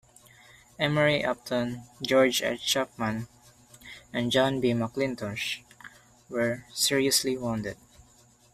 Emory Upton, George H. Chapman, and John B. McIntosh were seriously wounded.